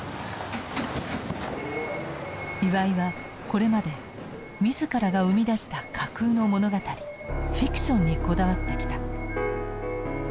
岩井はこれまで自らが生み出した架空の物語フィクションにこだわってきた。